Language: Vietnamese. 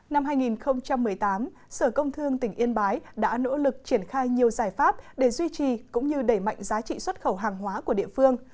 năm hai nghìn một mươi tám sở công thương tỉnh yên bái đã nỗ lực triển khai nhiều giải pháp để duy trì cũng như đẩy mạnh giá trị xuất khẩu hàng hóa của địa phương